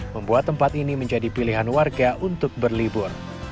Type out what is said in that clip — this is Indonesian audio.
membuat tempat ini menjadi pilihan warga untuk berlibur